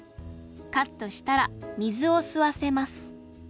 カットしたら水を吸わせます